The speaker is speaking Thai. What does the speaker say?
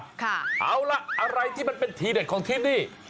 ค่ะเอาละอะไรที่มันเป็นทีเด็ดของทริปนี้